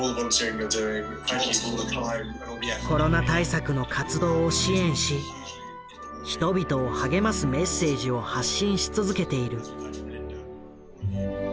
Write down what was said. コロナ対策の活動を支援し人々を励ますメッセージを発信し続けている。